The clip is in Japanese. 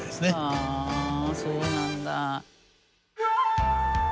はあそうなんだ。